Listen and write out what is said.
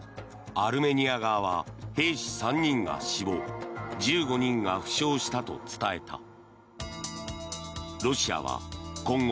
アルメニア側は兵士３人が死亡１５人が負傷したと伝えた。